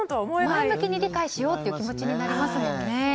前向きに理解しようっていう気持ちになりますものね。